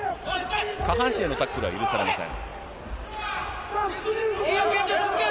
下半身へのタックルは許されません。